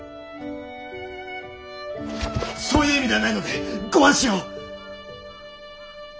そういう意味ではないのでご安心を！